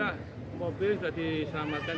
sudah mobil sudah diselamatkan